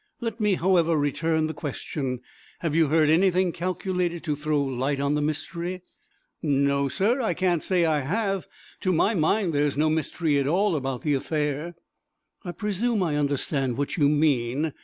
Let me, however, return the question. Have you heard anything calculated to throw light on the mystery?" "No, sir, I can't say I have. To my mind there is no mystery at all about the affair." "I presume I understand what you mean.